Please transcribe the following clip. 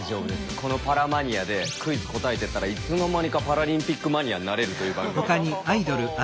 この「パラマニア」でクイズ答えてったらいつの間にかパラリンピックマニアになれるという番組なんで。